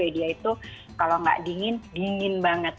dia itu kalau nggak dingin dingin banget